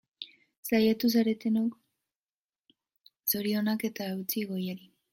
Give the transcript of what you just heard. Saiatu zatenok, zorionak eta eutsi goiari!